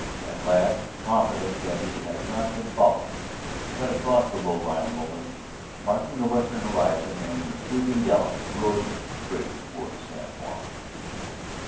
At last, confident that he had not been followed, he cut across the low lying lomas marking the western horizon and in a swinging gallop rode straight toward San Juan.